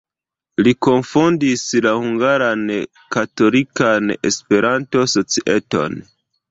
Li kunfondis la Hungaran Katolikan Esperanto-Societon.